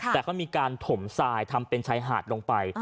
แต่เขามีการถมทรายทำเป็นชายหาดลงไป